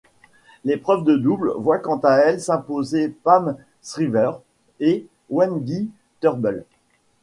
L'épreuve de double voit quant à elle s'imposer Pam Shriver et Wendy Turnbull.